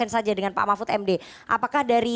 saja dengan pak mahfud md apakah dari